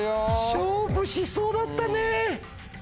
勝負しそうだったね。